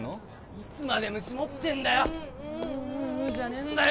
いつまで虫持ってんだよううううううじゃねえんだよ